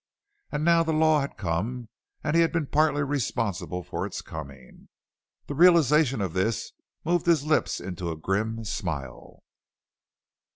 And now the law had come and he had been partly responsible for its coming. The realization of this moved his lips into a grim smile.